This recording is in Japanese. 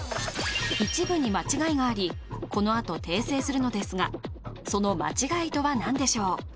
一部に間違いがありこのあと訂正するのですがその間違いとは何でしょう？